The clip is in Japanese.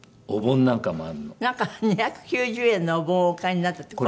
なんか２９０円のお盆をお買いになったってこれ？